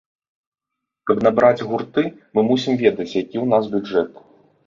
Каб набраць гурты, мы мусім ведаць, які ў нас бюджэт.